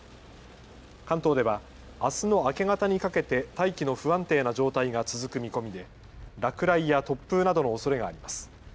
関東ではあすの明け方にかけて大気の不安定な状態が続く見込みで落雷や突風などのおそれがあります。